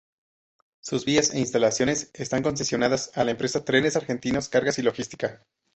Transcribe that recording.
Sus vías e instalaciones están concesionadas a la empresa Trenes Argentinos Cargas y Logística.